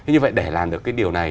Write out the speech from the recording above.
như vậy để làm được điều này